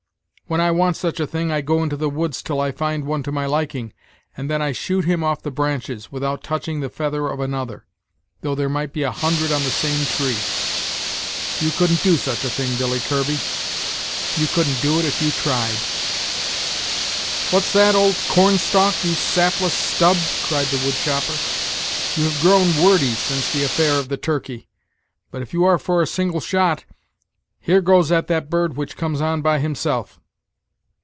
When I want such a thing I go into the woods till I find one to my liking, and then I shoot him off the branches, without touching the feather of another, though there might be a hundred on the same tree. You couldn't do such a thing, Billy Kirby you couldn't do it if you tried." "What's that, old corn stalk! you sapless stub!" cried the wood chopper. "You have grown wordy, since the affair of the turkey; but if you are for a single shot, here goes at that bird which comes on by himself."